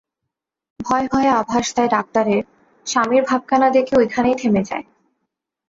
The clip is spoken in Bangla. ভয়ে ভয়ে আভাস দেয় ডাক্তারের- স্বামীর ভাবখানা দেখে ঐখানেই থেমে যায়।